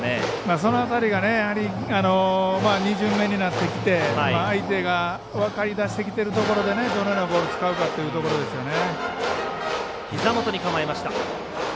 その辺りがやはり、２巡目になってきて相手が分かりだしてきてるところでどのようなボールを使うかというところですよね。